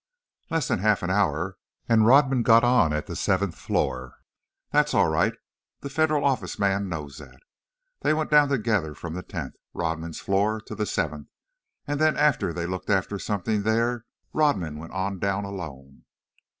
"Less than half an hour. And Rodman got on at the seventh floor." "That's all right, the Federal Office man knows that. They went down together from the tenth, Rodman's floor, to the seventh, and then after they looked after something there, Rodman went on down alone."